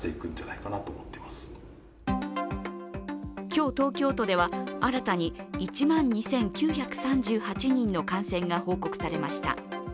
今日、東京都では新たに１万２９３８人の感染が報告されました